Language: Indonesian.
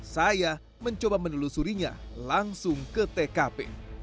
saya mencoba menelusurinya langsung ke tkp